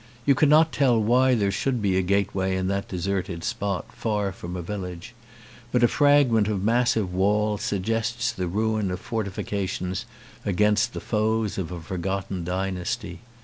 You cannot tell why there should be a gateway in that deserted spot, far from a village, but a fragment of massive wall sug gests the ruin of fortifications against the foes of a forgotten dynasty.